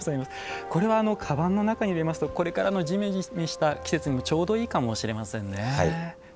かばんの中に入れますとこれからのじめじめした季節にもちょうどいいかもしれませんね。